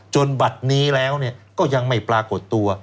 จนบัดนี้แล้วเนี่ยก็ยังไม่ปรากฏตัว